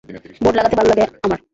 Board লাগাতে ভালো লাগে আমার।